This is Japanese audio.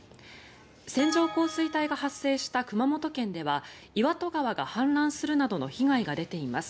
線状降水帯が発生した熊本県では岩戸川が氾濫するなどの被害が出ています。